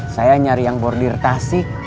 saya nyari yang bordir tasik